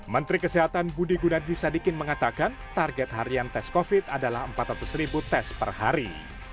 menteri kesehatan gudi gunadjis adiki mengatakan target harian test covid adalah empat ratus ribu tes per hari